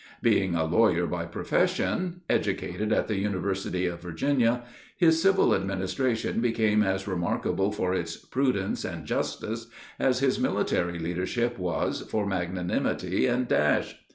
Being a lawyer by profession, educated at the University of Virginia, his civil administration became as remarkable for its prudence and justice as his military leadership was for magnanimity and dash.